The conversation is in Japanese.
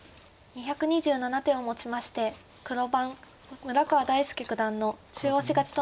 ２２７手をもちまして黒番村川大介九段の中押し勝ちとなりました。